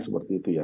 seperti itu ya